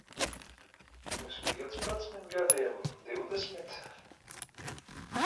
Pirms piecpadsmit gadiem? Divdesmit?